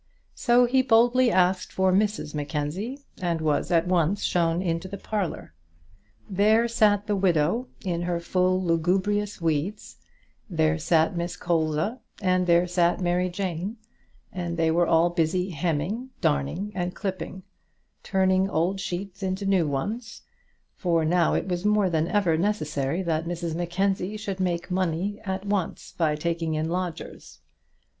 So he boldly asked for Mrs Mackenzie, and was at once shown into the parlour. There sat the widow, in her full lugubrious weeds, there sat Miss Colza, and there sat Mary Jane, and they were all busy hemming, darning, and clipping; turning old sheets into new ones; for now it was more than ever necessary that Mrs Mackenzie should make money at once by taking in lodgers.